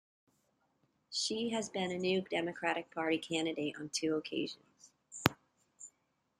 She has been a New Democratic Party candidate on two occasions.